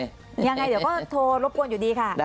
ยังไงเดี๋ยวก็โทรรบกวนอยู่ดีค่ะ